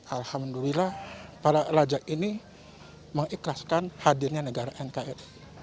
alhamdulillah para elajar ini mengikhlaskan hadirnya negara nkr